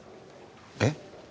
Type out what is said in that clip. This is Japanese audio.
えっ？